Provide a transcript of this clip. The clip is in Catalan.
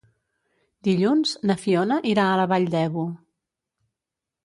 Dilluns na Fiona irà a la Vall d'Ebo.